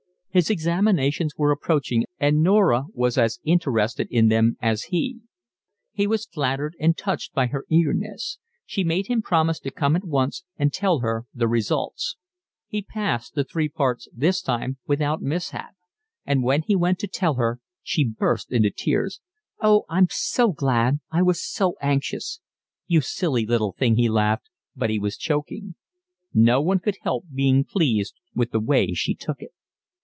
His examinations were approaching, and Norah was as interested in them as he. He was flattered and touched by her eagerness. She made him promise to come at once and tell her the results. He passed the three parts this time without mishap, and when he went to tell her she burst into tears. "Oh, I'm so glad, I was so anxious." "You silly little thing," he laughed, but he was choking. No one could help being pleased with the way she took it.